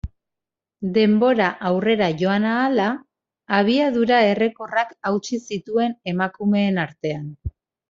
Denbora aurrera joan ahala, abiadura errekorrak hautsi zituen emakumeen artean.